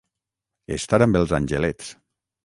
Estar amb els angelets.